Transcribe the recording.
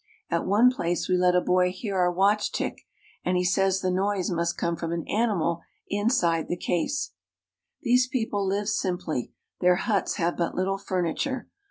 At one place we let a boy hear our watch tick, and he says the noise must come from an animal inside the case. "^These people live simply. Their huts have but little furniture.